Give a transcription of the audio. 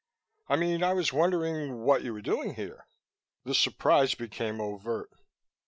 "I mean, I was wondering what you were doing here." The surprise became overt.